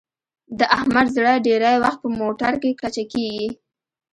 د احمد زړه ډېری وخت په موټرکې کچه کېږي.